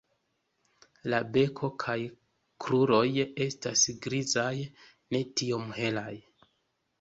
La beko kaj kruroj estas grizaj, ne tiom helaj.